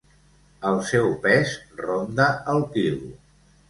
El seu pes ronda el quilo.